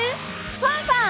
ファンファン。